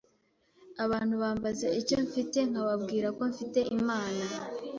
Abantu bambaza icyo mfite nkababwirako mfite Imana